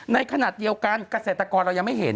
ในขณะเดียวกันเกษตรกรเรายังไม่เห็น